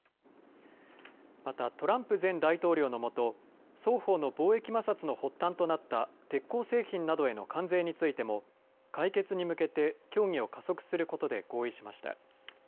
またトランプ前大統領のもと、双方の貿易摩擦の発端となった鉄鋼製品などへの関税についても解決に向けて協議を加速することで合意しました。